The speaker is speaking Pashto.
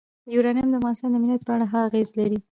یورانیم د افغانستان د امنیت په اړه هم اغېز لري.